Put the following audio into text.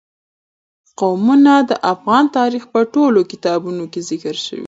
قومونه د افغان تاریخ په ټولو کتابونو کې ذکر شوي دي.